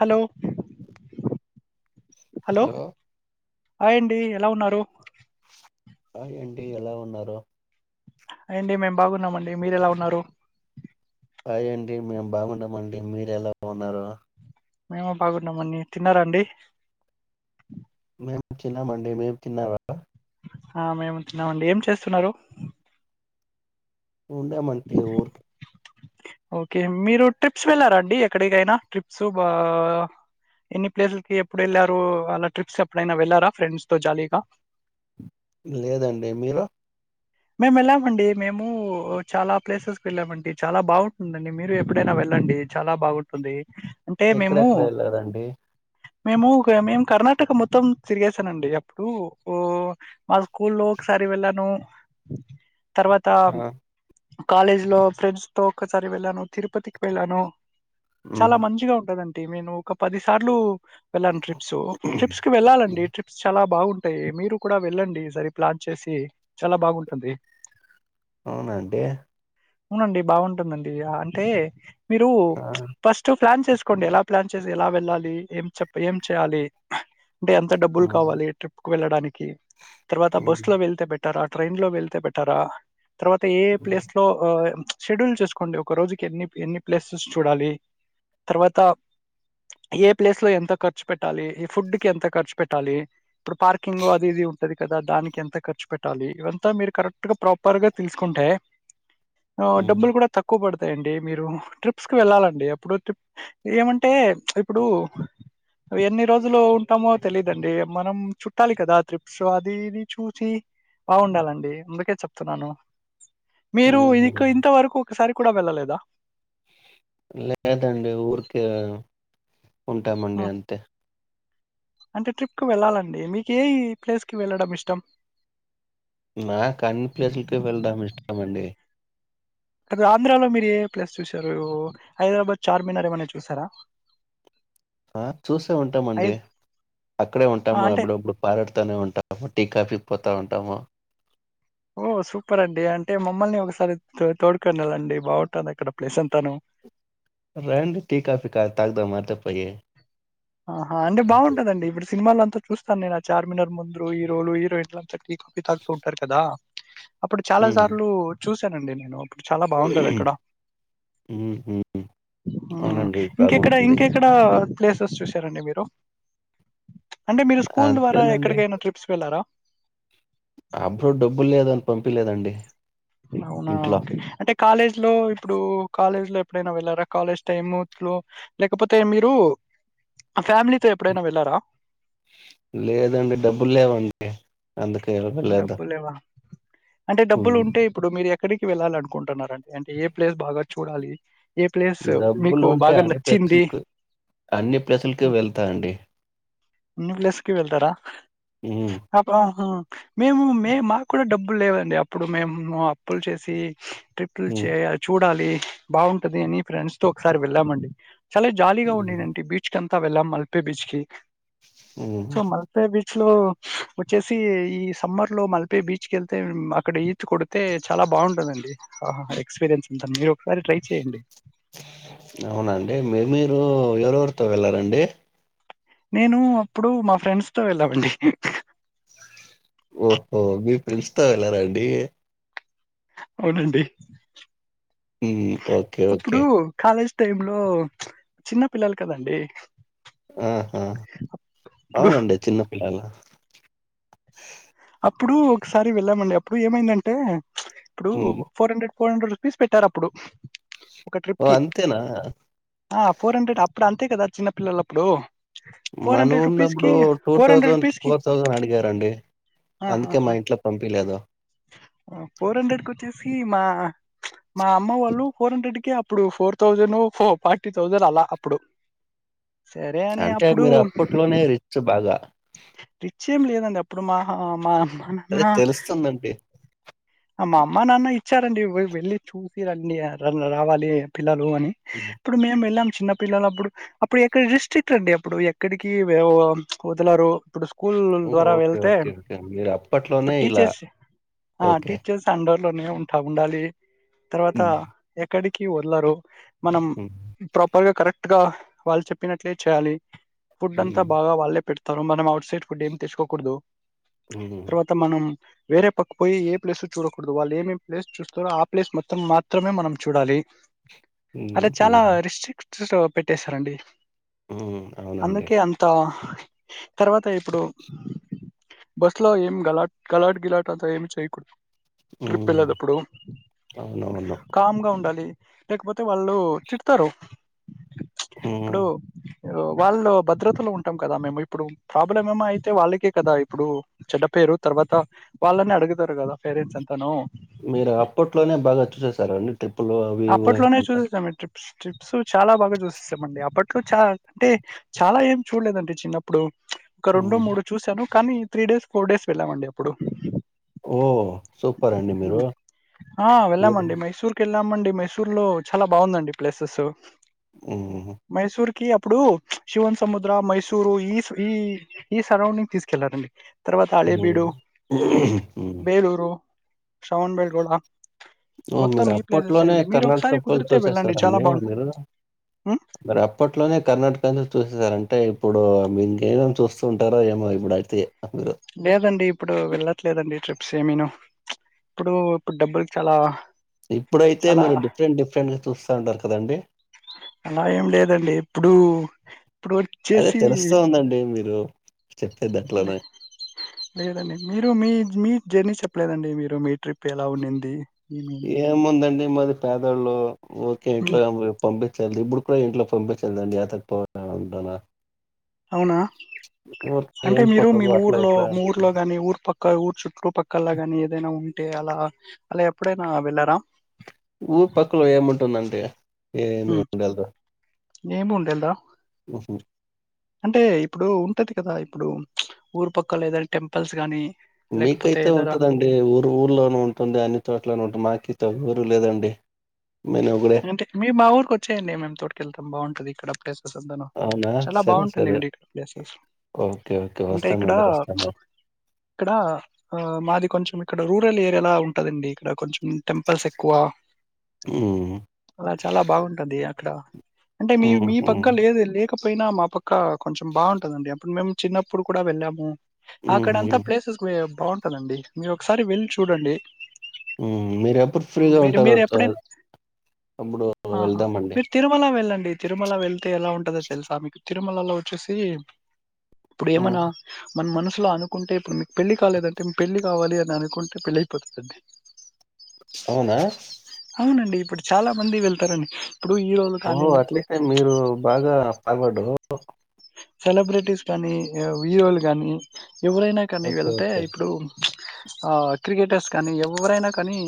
Hello hello hi అండి ఎలా ఉన్నారు హాయ్ అండి ఎలా ఉన్నారు హాయ్ అండి మేము బాగున్నామండి మీర ఎలా ఉన్నారు హాయ్ అండి మేము బాగుంటమండి మీర ఎలా ఉన్నారు మేము బాగున్నామన్న తిన్నారా అండి మేం తినమండి మీరు తిన్నారా ఆ మేము తిన్నామండి ఏం చేస్తున్నారు ఉండేమంటే ఓర్పు ఓకే మీరు ట్రిప్స్ వెళ్ళారా అండి ఎక్కడికైనా ట్రిప్స్ ఆ ఎన్ని ప్లేస్లకి ఎప్పుడు వెళ్ళారు అలా ట్రిప్స్ ఎప్పుడైనా వెళ్ళారా ఫ్రెండ్స్ తో జాలీగా లేదండి మీరు మేము వెళ్ళామండి మేము చాలా ప్లేసెస్ కు వెళ్ళామండి చాలా బాగుంటుందండి మీరు ఎప్పుడైనా వెళ్ళండి చాలా బాగుంటుంది అంటే మేము ఎక్కడెక్కడ వెళ్ళారంండి మేము కం మేము కర్ణాటక మొత్తం తిరిగసానండి అప్పుడు ఓ మా స్కూల్లో ఒకసారి వెళ్ళాను తర్వాత ఆ కాలేజ్ లో ఫ్రెండ్స్ తో ఒక్కసారి వెళ్ళాను తిరుపతికి వెళ్ళాను చాలా మ్మ్ మంచిగా ఉంటుందండి టీీ నేను ఒక పది సార్లు వెళ్ళను ట్రిప్స్ ట్రిప్స్ కి వెళ్ళాలండి ట్రిప్స్ చాలా బాగున్ ంటాయి మీరు కూడా వెళ్ళండి సరి ప్లాన్ చేసి చాలా బాగుంట అంతె అవునఅండి అవునండి బాగుంటుందండి అంటే మీరు ఆ ఫస్ట్ ప్లాన్ చేసుకోండి ఎలా ప్లాన్ చేసి ఎలా వెళ్ళాలి ఏం చెప ఏం చేయాలి అంటే ఎంత డబ్బులు మ్మ్ కావాలి ట్రిప్ కు వెళ్ళడానికి తర్వాత బస్ లో వెళ్తే బెట్ టార ట్రైన్ లో వెల్త్ తె బెటరా తర్వాత ఏ మ్మ్ ప్లేస్ లో ఆ ప్చ్ షెడ్యూల్ చేసుకోండి ఒక రోజుకి ఎన్ని ఎన్ని ప్లేసెస్ చూడాలి తర్వాత ఏ ప్లేస్ లో ఎంత ఖర్చు పెట్టాలి ఏ ఫుడ్ కి ఎంత ఖర్చు పెట్టాలి ఇప్పుడు పార్కింగ్ అది ఇది ఉంటది కదా దానికి ఎంత ఖర్చు పెట్టాలి ఇవంతా మీరు కరెక్ట్ గా ప్రాపర్ గా తెలుసుకుంటే ఆ డబ్బులు కూడా తక్కువ పడుత్ అేండి మీరు ట్రిప్స్ కుి వెళ్ళాలండి అప్పుడు ట్రిప్ ఏమంటే ఇప్పుడు ప్చ్ ఎన్ని రోజులు ఉంటామో తెలిదండి మనం చుట్టాలి కదా ట్రిప్స్ అది చూచి బాగుండాలండి అందుకే చెప్తున్నాను మీరు మ్మ్ ఇక మ్మ్ ఇంతవరకు ఒసారి కూడా వెళ్ళలేదా లేదండి ఊరికే ఉంటామండి ఉం. అంతే అంటే ట్రిప్కి వెళ్ళాలండి మీకు ఏ ప్లేస్ కి వెళ్ళడం ఇష్టం నాకు అన్ని ప్లేసులకి వెళ్దాం ఇష్టమండి రంధ్రాలో మీరు ఏ ప్లేస్ చూసారు హైదరాబాద్ చార్మినార్ ఏమన్నా చూసారా ఆ చూసే ఉంటామండి ఐ- అక్కడే ఆ, ఉంటాము అంటే అప్పుడప్పుడు పారాడతానే ఉంటాము టీ కాఫీ పోత ఉంటాము ఓ సూపర్ అండి అంటే మమ్మల్ని ఒకసారి తోడుకొని వెళ్ళండి బాగుంటుంది అక్కడ ప్లేస్ అంతాను రండి టీ కాఫీ తాక్ తాకుదాము అట్లా పోయి ఆహా అంటే బాగుంటదండి ఇప్పుడు సినిమాలంత చూస్తాను నే ఆ చార్మినర్ ముందురు హీరోలు హీరోయిన్లంతా టీ కాఫీ తాగుతూ ఉంటారు కదా అప్పుడు చాలా హ్మ్. సార్లు చూసానండి నేను చాలా బాగుంటదక్కడ హ్మ్. హ్మ్. మ్మ్ అవునండి ఇంకెక్కడ బాగుంటుంది. ఇంకెక్కడ తోస్ చూసారండి మీరు ప్చ్ అంటే మీరు స్కూల్ ద్వారా అంతేనండి. ఎక్కడికైనా ట్రిప్స్ వెళ్లారా అప్పుడు డబ్బులు లేదని పంపియలేదండి అవునా ఇంట్లో. ఒకే అంటే కాలేజ్ లో ఇప్పుడు కాలేజ్ లో ఎప్పుడైనా వెళ్లారా కాలేజ్ టైమ్స్ లో లేకపోతే మీరు ప్చ్ ఫ్యామిలీతో ఎప్పుడైనా వెళ్ళారా లేదండి డబ్బులేవండి అందుకే వెళ్ళలెదు డబ్బులేవా? అంటే మ్మ్ డబ్బులుంటే ఇప్పుడు మీరు ఎక్కడికి వెళ్లాలనుకుంటున్నారండి అంటే ఏ ప్లేస్ బాగా చూడాలి ఏ ప్లేసు మీకు డబ్బులుంటే బాగా నచ్చింది ప్లేసుల్కి హ్మ్. వెళ్తా అండి ప్చ్ అన్ని ప్లేస్ కి వెళ్తారా హ్మ్. హ హ మేము మేమ్ మాకు కూడా డబ్బుల్లేవండి అప్పుడు మేము అప్పులు చేసి హ్మ్ ట్రిప్పుల్ హ్మ్. చేయాల్ చూడాలి బాగుంటది అని ఫ్రెండ్స్ తో ఒకసారి వెళ్ళామండి చాలా జాలీగా హ్మ్. ఉనీన్దండీ బీచ్ కాంత్ అంతా వెళ్ళాం మల్పే బీచ్ కి హ్మ్. సో మల్పే బీచ్ ఫోల్లో ప్చ్ వచ్చేసి ఈ సమ్మర్ లో మల్పే బిచకెళ్తే మ్ అక్కడ ఈత కొడితే చాలా బాగుంటదండి ఆ ఆహ ఎక్స్పీరియన్స్ అంతా మీరు ఒకసారి ట్రై చేయండి. అవునండి మేమే ఇప్పుడు ఎవరెవరితో వెళ్లారండి నేను అప్పుడు మా ఫ్రెండ్స్ తో వెళ్ళామండి ఇహ్ హ్హ్ ఓహో మీ ఫ్రెండ్సతో వెళ్ళరాండి అవునండి మ్మ్ ఒకే అప్పుడు ఒకే కాలేజీ టైంలో ప్చ్ చిన్న పిల్లల్ కదండి ఆహా ఇప్పుడు అవునండి చిన్న పిల్లల చ్ప్.. ట్... హుమ్ ప్పుడు ఒక్కసారి వేళ్ళామండి అప్పుడు ఏమైందంటే ప్చ్.. ఇప్పుడు హ్మ్. ఫోరహండ్రెడ్ ఫోరహండ్రెడ్ రూపీస్ పెట్టారప్పుడు ఒక ట్రిప్ ఓ కి అంతేనా? ఆ ఫోరహండ్రెడ్ అప్ ఇప్పుడంతే కదా చిన్నపిల్లలప్పుడు మనం ఉన్నప్పుడు టూ హండ్రెడ్ థౌసండ్ రూపీస్ కి ఫోర్ థౌసండ్ అడిగారండి. అందుకే మా ఇంట్లో పంపియలేదు. ఆ ఫోర్ హండ్రెడ్ కి వచ్చేసి మా మా అమ్మ వాళ్ళు ఫోర్ హండ్రెడ్ కి అప్పుడు ఫోర్ థౌసండో ఫార్టీ థౌజండ్ అలా అప్పుడు సరే అని అంటే అప్పుడు మీరు అప్పట్లోనే రిచ్ బాగా రిచ్ ఏం లేదండి అప్పుడుమా ఆ మా నాన్న అదే తెలుస్తుందండి. [inaudible] మా అమ్మ నాన్న ఇచ్చారండి వెళ్ళి చూసి రండి రావాలి పిల్లలు అని హ్మ్. ఇప్పుడు మేం వెళ్ళం చిన్నపిల్లల అప్పుడు అప్పుడు ఎక్కడ డిస్ట్రిక్ట్ అండి అప్పుడు ఎక్కడికి వదలరు ఇప్పుడు స్కూల్ ఉమ్ ద్వారా ఓకే వెళ్తే ఓకే ఓకే మీరు ఇప్పుడు అప్పట్లోనే ఇలా ఓకే అందర్లోనే ఉంటా ఉండాలి. తర్వాత హ్మ్. ఎక్కడి కి వల్లరు మనం హ్మ్. ప్రాపర్ గా కరెక్ట్ గా వాళ్ళు చెప్పినట్లే చేయాలి. ఫుడ్ అంత హ్మ్. బాగా వాళ్ళే పెడ్ తరూ మనం అవు ట్ సైడ్ ఫుడ్ ఏం తెచ్చుకోకూడదు. హ్మ్. తర్వాత మనం వేరే పక్క పోయి ఏ ప్లేస్ చూడకూడదు. వాళ్ళు ఏమేం ప్లేస్ చూస్తారో ఆ ప్లేస్ మొత్తం మాత్రమే మనం చూడాలి. ఆడ హ్మ్. చాలా హ్మ్. రిస్టక్ట్ చూస్తవా పెట్టేస్తరండి. హ్మ్. అవునండి. అందుకే అంతా తర్వాత ఇప్పుడు బస్ లో ఏం గలాట్ గలాట్ గిలాట్ అంత ఏమి చేయకూడదు. ట్రిప్ హ్మ్. వెళ్ళెటప్పుడు అవునవును. కామ్ గా ఉండాలి. లేకపోతే వాళ్లు చీట్ తారు. ఉమ్మ్. వాళ్లు భద్రతలో ఉంటాం కదా? మేము ఇప్పుడు ప్రాబ్లం ఏమైతే వాళ్లకే కదా. ఇప్పుడు చెడ్డ పేరు, తర్వాత వాళ్లని అడుగుతారు గదా? పేరెంట్స్ అంతాను. మీరు అప్పట్లోనే బాగా చూసేసారండి. ట్రిప్పులు అవి ఇవోయి అంతా. స్ట్రిప్స్ చాలా బాగా చూసిస్తామండి అప్పట్లో చాలా అంటే చాలా ఏం చూడలేదండి చిన్నప్పుడు ఒక రెండు హ్మ్. మూడు చూశాను కానీ ఈ త్రీ డేస్ ఫోర్ డేస్ వెళ్ళామండి అప్పుడు ఓ సూపర్ అండి మీరు మీరు మండడి మైసూర్ లో చాలా బాగుందండి ప్లేసెస్ హ్మ్. మైసూర్ కి అప్పుడు శివన్ సముద్ర మైసూరు ఈ ఈ ఈ సరౌండింగ్ తీసుకెళ్లారండి తర్వతాళే హ్మ్. బీడు హ్మ్. బేలూరు శ్రవణ్ బెల్గడా ఓ మ మీరా అపట్ల అట్లోనే మీరొకసారి కర్ణాటక పల్ కుదిరితే వెళ్ళండి చూసేస్తారు చాలా అన్న బాగుంటది. మీరు హ్మ్. మరి అప్పట్లోనే కర్ణాటక చూసేసారు అంటే ఇప్పుడు మీకేమేం చూస్తుంటారో ఏమో ఇప్పుడైతే మీరు. లేదండి ఇప్పుడు వెళ్ళట్లేదండి ట్రిప్ సేమను ఇప్పుడు ఇప్పుడు డబ్బులు చాలా ఇప్పుడైతే చాలా మీరు డిఫరెంట్ డిఫరెంట్గా చూస్తా ఉంటారు కదండి అలా ఏం లేదండి. ఇప్పుడు ఇప్పుడు అదే వచ్చేసి తెలుస్తా ఉందండి మీరు చెప్పే లే దాంట్లోనే. లేదండి మీరు మీ మీ జర్నీ చెప్పలేదండి మీరు మీ ట్రిప్ ఎలా ఉన్నింది ఏముందండి మాది పేదళ్ళు ఓకే హ్మ్. ఇంట్లో పంపి చల్దు ఇప్పుడు కూడా ఇంట్లో పంపించలేండి అతకి పోంటునా అవునా ఊరికే అంటే ఏం మీరు మీ పక్కకు అట్లా ఊర్లో ఇట్లా ఊర్లో గాని ఊరు పక్క క్క ఊరు చుట్టూ పక్కలా ని ఏదైనా ఉంటే అలా అలా ఎప్పుడైనా వెళ్ళరా ఊరి పక్కలో ఏముంటుందంటే ఏమి ఉండలేదు నేమ్ ఉండలేదు ఊహు అంటే ఇప్పుడు ఉంటది కదా ఇప్పుడు ఊరు పక్క లేదనా టెంపుల్స్ గానీ మీకైతే ఉంటదండి ఊరు ఊర్లోనే ఉంటుంది అన్ని చోట్లో ఉంటుంది మాకైతే ఊరు లేదండి నేను ఒకడే అంటే మీ మా ఊరికి వచ్చయండి మేము తోటక వెళ్తాం బాగుంటుది ఇక్కడ ను అవునా చాలా సరే బాగుంటుంది సరే అండి ఇక్కడ ప్లేసెస్ ఓకే ఓకే అంటే ఇక్కడ వస్తామండి వస్తాము ఇక్కడ ఆ మాది కొంచెం ఇక్కడ రూరల్ ఏరియాలా ఉంటుదండి ఇక్కడ కొంచెం టెంపుల్స్ ఎక్కువ హ్మ్. అలా చాలా బాగుంటది అక్కడ అంటే మీ మీ హుహు. పక్క లేదు లే క్కపోయినా మా పక్క కొంచం బావుటదండి అప్పుడు మేము చిన్నప్పుడు కూడా వెళ్ళాము ఆక్కడ హుహు. అంతా ప్లేసెస్ బావుంటదండి మీరు ఒకసారి వెళ్ళి చూడండి ఉ మీరు ఎప్పుడు ఫ్రీగా మీరు ఉంటారో మీరెప్పుడైనా [unintelligible] అప్పుడు ఆహా వెళ్దామండి. మీరు తిరుమల వెళ్ళండి తిరుమల వెళ్తే ఎలా ఉంటందో తెలుసా మీకు తిరుమలలో ఒచ్చేసి ఇప్పుడు హ్మ్. ఏమనా మన్ మనస్ సులో అనుకుంటే ఇప్పుడు మీకు పెళ్లి కాలేదంటే మీకు పెళ్లి కావాలి అని అనుకుంటే పెళ్ళయిపోతుందండి అవునా అవునండి ఇప్పుడు చాలా మంది వెళ్తారండి ఇప్పుడు హీరోలు ఓ కానీ అట్లేతే మీరు బాగా అవడు సెలబ్రిటీస్ గానీ వియోలు గానీ ఎవరైనా కానీ ఓకే. వెళ్తే ఓకే. ఇప్పుడు ఆ క్రికెటర్స్ కానీ ఎవరైనా కానీ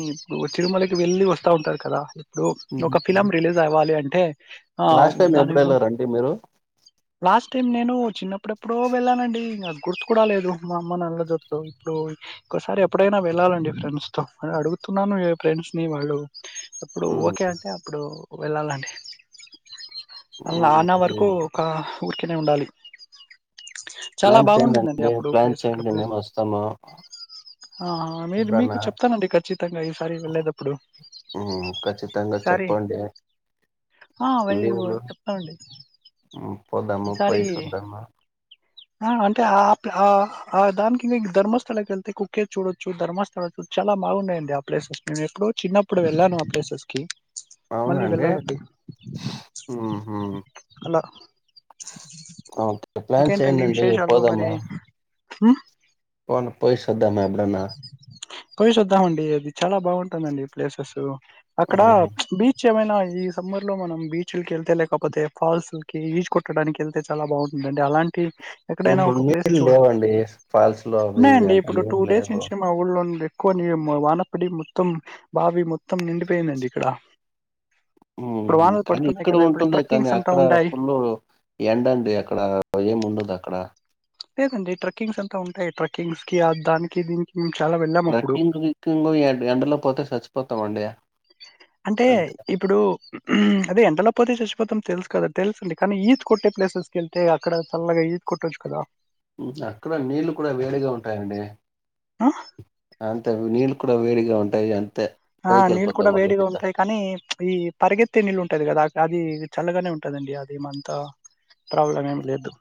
తిరుమలకి వెళ్ళి వస్తా ఉంటారు కదా డు ఒక హుహు. ఫిలమ్ రిలీజస్ అవాలి అం టే లాస్ట్ టైం ఎప్పుడు ఎళ్ళారంటడి మీరు అంటే నేను చిన్నప్పుడెప్పుడో వెళ్ళానండి నా గుర్తు కూడ లేదు మా అమ్మ నల్ల జతలో ఇప్పుడు ఇంకోసారి ఎప్పుడైనా వెళ్ళాలండి ఫ్రెండ్స్తో అడుగుతున్నాను ఫ్రెండ్స్ని వాళ్ళు ఏప్పుడు హ్మ్. ఓకే అంటే అప్పుడు వెళ్ళలండి హ్మ్. నాన్న వరకు హ్మ్. ఒక ఊర్ కి క్కనే ఉండాలి చాలా ప్లాన్ బాగుంటుందండి చేయండండి. అప్పుడు ప్లాన్ ప్లేస్ అక్కడ చేయండి ప్లేస్ మేమొస్తాము ఆ మీరు మీకు ఎప్పుడన్నా. చెప్తానండి ఖచ్చితంగా ఈసారి వెళ్ళే దప్పుడు హ్మ్. ఖచ్చితంగా సరీ చెప్పండి. ఆ వెల్ లీవులు చెప్తామండి పోదాము పోయేసోదము ఆ అంటే ఆ ఆ ఆ దానికి ధర్మస్థలకి వెళ్తే కుక్కే చూడొచ్చు ధర్మస్థల చు చాలా బాగున్నాయండి ఆ ప్లేసెస్ నేను ఎప్పుడో చిన్నప్పుడు వెళ్ళాను ఆ ప్లేసెస్ కి మళ్ళీ అవునండి వెళ్ళాలండి ఉహు అలా ఓకే ప్లాన్ చె [inaudible] అండి పోదము ఉ పోను పేస్ సోదమా ఎప్పుడన్నా పోయేసొద్దామండి చాలా బాగుంటుందండి ప్లేసెస్ అక్కడ ఆహా బీచ్ ముఖ్యమైన ఈ సమ్మర్ లో మనం బీచ్లకి వెళ్తే లేకపోతే ఫాల్స్ కి ఈత కొట్టడానికి వెళ్తే చాలా బాగుంటుందిండి అలాంటి ఎక్కడైనా ఇప్పుడు ఒక ప్లేస్ నీళ్లు చూ లేవండి ఫాల్స్ లో అవి ఉన్నాయండి ఇవింత ఇప్పుడు టూ డేస్ నుంచి మా ఊళ్ళో ఉండి కొని వానపడి మొత్తం బావి మొత్తం నిండిపోయిందండి ఇక్కడ ఇప్పుడు మ్ వానలు కానీ పడుతున్నాయి ఇక్కడ కదా ఇప్పుడు ఉంటుంది కానీ ట్రెక్కింగ్స్ అంతా అక్కడ ఉంటాయి ఫుల్ ఎండండి అక్కడ ఏం ఉండదు అక్కడ లేదండి ట్రెకింగ్స్ అంతా ఉంటాయి ట్రెకింగ్స్ కి ఆ దానికి దీనికి మేము చాలా వెళ్ళాం అప్పుడు రక్ంగ్ ఇక్కింగ్ ఎండలో పోతే చచ్చిపోతాం అండి అంటే ఇప్పుడు అది ఎంతలో పోతే చచ్చి చచ్చిపోతాం తెలుసు కదా తెలుసుండి కానీ ఈద్ కొట్టే ప్లేసెస్కి వెళ్తే అక్కడ చల్లగా ఈద్ కొట్టొచ్చు కదా మ్ అక్కడ నీళ్లు కూడా వేడిగా ఉంటాయంండి ఆ అంత నీళ్ క్కడ వేడిగా ఉంటాయిా అని ఆ నీళ్ళు కూడా వేడిగా ఉంటాయి కానీ ఈ పరిగెత్తే నీళ్ళు ఉంటాది కదా అది చల్లగానే ఉంటుందండి అదిమంతా ప్రాబ్లం ఏమి లేదు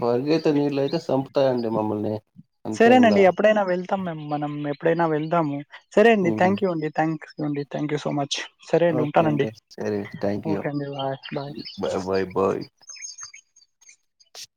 పరిగయితే నీళ్లు అయితే చంపుతాయంండి మమ్మల్ని అంతే ఇంగా సరేనండి ఎప్పుడైనా వెళ్తాం మేం మనం ఎప్పుడైనా వెళ్దాము సరే అండి హ్మ్. థాంక్యూ అండి థాంక్య డి థ్యాంక్ యూ సో మచ్ సరే అండి ఓకే ఉంటానండి సరే థ్యాంక్ యూ ఓకే అండి బాయ్ బాయ్ చచ్చి